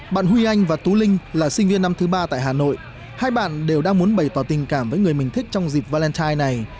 bạn huy anh và tú linh là sinh viên năm thứ ba tại hà nội hai bạn đều đang muốn bày tỏ tình cảm với người mình thích trong dịp valentine này